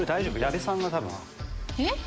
矢部さんが多分。えっ？